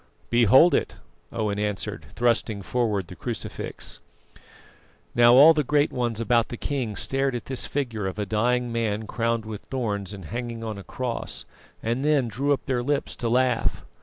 "Behold it," Owen answered, thrusting forward the crucifix. Now all the great ones about the king stared at this figure of a dying man crowned with thorns and hanging on a cross, and then drew up their lips to laugh.